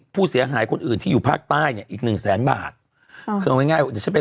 ผู้เสียหายอีกอย่างนึงสดหน่อย